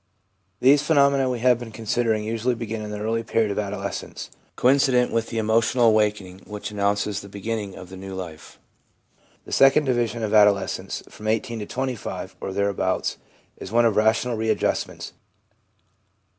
These phenomena we have been considering usually begin in the early period of adolescence, coincident with the emotional awakening which announces the beginning of the new life. The second division of adolescence, from 1 8 to 25 or thereabouts, is one of rational readjustments.